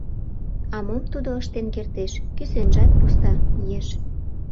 А мом тудо ыштен кертеш, кӱсенжат пуста, еш.